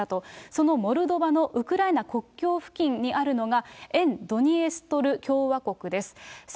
そのモルドバのウクライナ国境付近にあるのが、沿ドニエストル共和国です。